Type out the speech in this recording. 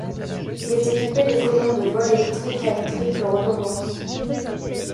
Il est équipé de commandes de vol électriques à une triple redondance.